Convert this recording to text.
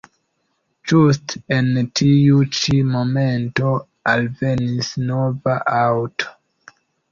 Ĝuste en tiu ĉi momento alvenis nova aŭto.